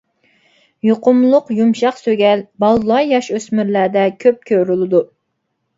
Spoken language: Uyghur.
يۇقۇملۇق يۇمشاق سۆگەل: بالىلار ياش-ئۆسمۈرلەردە كۆپ كۆرۈلىدۇ.